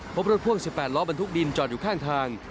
พบรถพ่วง๑๘ล้อบรรทุกดินจอดอยู่ข้างทาง